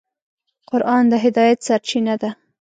قرآن د هدایت سرچینه ده.